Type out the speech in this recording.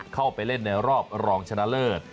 เข้าไปเล่นในรอบรองชนะเลิศ